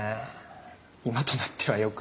今となってはよく。